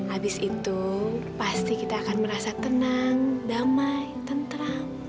abis itu pasti kita akan merasa tenang damai tenteram